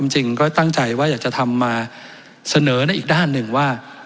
จริงก็ตั้งใจว่าอยากจะทำมาเสนอในอีกด้านหนึ่งว่า